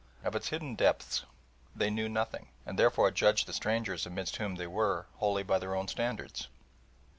Of its hidden depths they knew nothing, and therefore judged the strangers amidst whom they were wholly by their own standards.